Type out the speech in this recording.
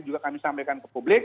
juga kami sampaikan ke publik